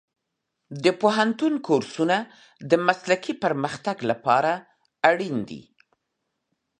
د پوهنتون کورسونه د مسلکي پرمختګ لپاره ضروري دي.